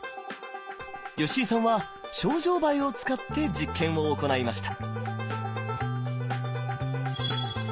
吉井さんはショウジョウバエを使って実験を行いました。